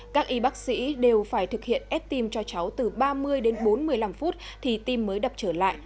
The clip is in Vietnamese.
các y bác sĩ đều phải thực hiện ép tim cho cháu từ ba mươi đến bốn mươi năm phút thì tim mới đập trở lại